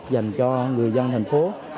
dành cho người dân thành phố